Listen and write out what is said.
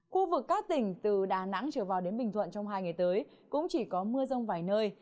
khu vực các tỉnh từ đà nẵng trở vào đến bình thuận trong hai ngày tới cũng chỉ có mưa rông vài nơi